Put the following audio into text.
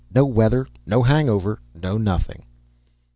No weather, no hangover, no nothing."